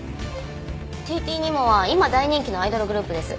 ＴＴ−Ｎｉｍｏは今大人気のアイドルグループです。